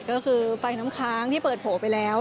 ก็คือไฟน้ำค้างที่เปิดโผล่ไปแล้ว